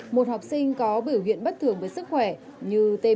một học sinh có biểu hiện bất thường với sức khỏe như tê bệnh